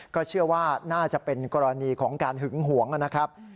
ก็เชื่อว่าน่าจะเป็นกรณีของการหึงหวงนะครับ